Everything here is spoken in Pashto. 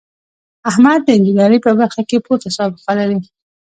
احمد د انجینرۍ په برخه کې پوره سابقه لري.